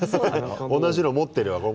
同じの持ってるよ。